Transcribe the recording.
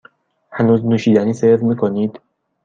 هنوز نوشیدنی سرو می کنید؟